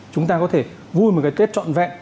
chúng ta có thể vui một cái kết trọn vẹn